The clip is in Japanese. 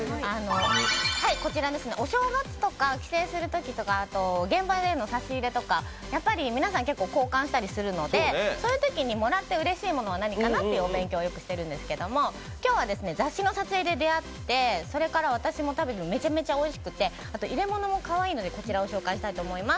こちら、お正月とか帰省するときとか現場での差し入れと、皆さん、結構交換したりするので、そういうときにもらってうれしいものは何かなって勉強してるんですけど今日は雑誌の撮影で出会って、私も食べてめちゃくちゃおいしくて、あと入れ物もかわいいので、こちらを紹介したいと思います。